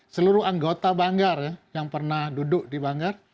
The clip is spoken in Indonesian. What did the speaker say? seluruh anggota banggar yang pernah duduk di banggar